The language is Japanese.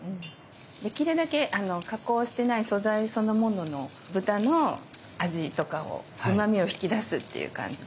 できるだけ加工してない素材そのものの豚の味とかをうまみを引き出すっていう感じで。